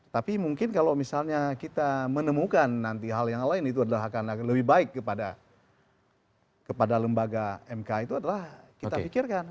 tapi mungkin kalau misalnya kita menemukan nanti hal yang lain itu adalah akan lebih baik kepada lembaga mk itu adalah kita pikirkan